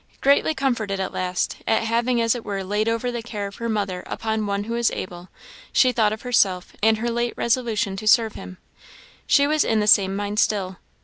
Greatly comforted at last, at having as it were laid over the care of her mother upon One who was able, she thought of herself, and her late resolution to serve him. She was in the same mind still.